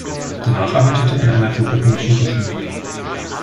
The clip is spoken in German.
Danach arbeitete er in einer Drogerie in Krotoschin.